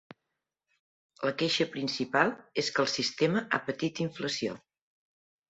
La queixa principal és que el sistema ha patit inflació.